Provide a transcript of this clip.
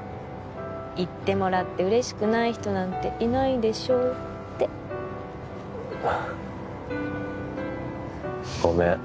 「言ってもらって嬉しくない人なんていないでしょ」ってごめん